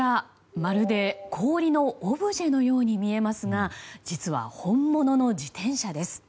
まるで氷のオブジェのように見えますが実は本物の自転車です。